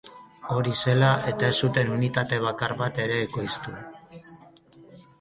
Hori zela eta ez zuten unitate bakar bat ere ekoiztu.